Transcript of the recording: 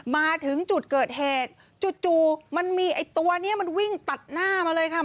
มาถึงจุดเกิดเหตุจู่มันมีไอ้ตัวนี้มันวิ่งตัดหน้ามาเลยค่ะ